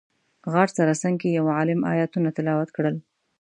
غار سره څنګ کې یو عالم ایتونه تلاوت کړل.